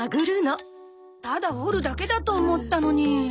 ただ掘るだけだと思ったのに。